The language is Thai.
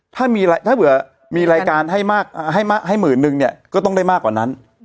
ถ้าเผื่อมีรายการให้มากให้หมื่นนึงเนี่ยก็ต้องได้มากกว่านั้น